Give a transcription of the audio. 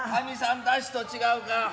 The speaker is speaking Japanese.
神さんだしと違うか。